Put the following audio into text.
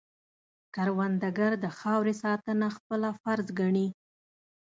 کروندګر د خاورې ساتنه خپله فرض ګڼي